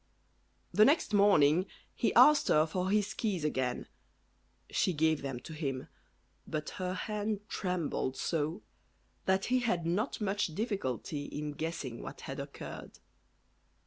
The next morning he asked her for his keys again; she gave them to him; but her hand trembled so, that he had not much difficulty in guessing what had occurred.